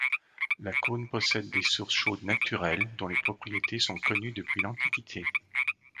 Lacaune possède des sources chaudes naturelles, dont les propriétés sont connues depuis l'antiquité.